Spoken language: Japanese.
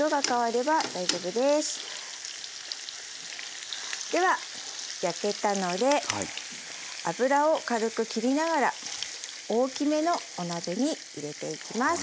では焼けたので脂を軽くきりながら大きめのお鍋に入れていきます。